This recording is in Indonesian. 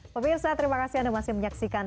pemirsa terima kasih anda masih menyaksikan